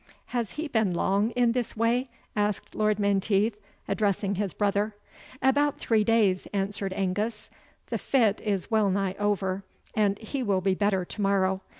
"Has he been long in this way?" asked Lord Menteith, addressing his brother. "About three days," answered Angus; "the fit is wellnigh over, he will be better to morrow.